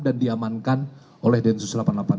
dan diamankan oleh densus delapan puluh delapan